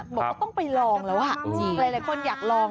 บอกว่าต้องไปลองแล้วหลายคนอยากลอง